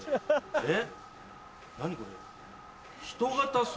えっ！